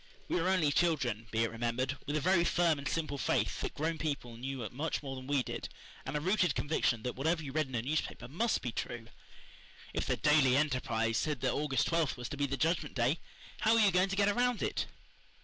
We were only children, be it remembered, with a very firm and simple faith that grown people knew much more than we did, and a rooted conviction that whatever you read in a newspaper must be true. If the Daily Enterprise said that August twelfth was to be the Judgment Day how were you going to get around it?